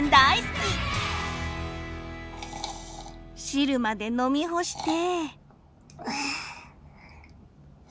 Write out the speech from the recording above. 汁まで飲み干して。